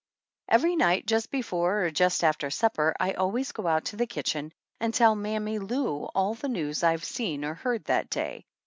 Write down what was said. Every night just before or just after supper I always go out to the kitchen and tell Mammy Lou all the news I've seen or heard that day.